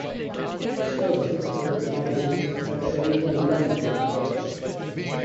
Services were provided by trains on the Musselburgh Branch.